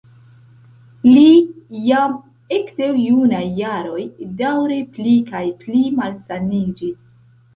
Li jam ekde junaj jaroj daŭre pli kaj pli malsaniĝis.